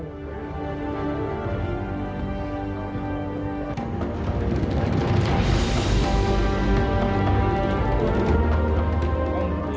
และทรงเป็นแห่งฉัน